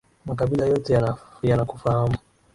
Makabila yote, yanakufahamu